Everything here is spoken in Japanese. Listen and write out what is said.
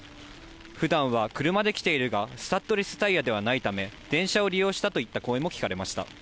ふだんは車で来ているが、スタッドレスタイヤではないため、電車を利用したといった声も聞かれました。